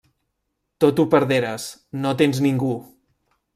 Tot ho perderes, no tens ningú.